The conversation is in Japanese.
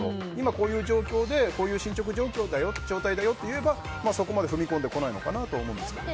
こういう状況でこういう進捗状況だよと言えばそこまで踏み込んでこないのかなと思うんですけど。